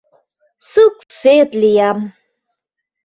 Суксет лиям.